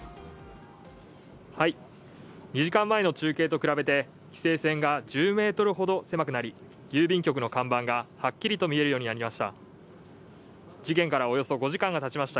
２時間前の中継と比べて規制線が１０ｍほど狭くなり郵便局の看板がはっきりと見えるようになりました。